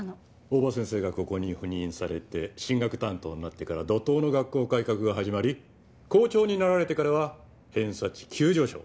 大場先生がここに赴任されて進学担当になってから怒濤の学校改革が始まり校長になられてからは偏差値急上昇。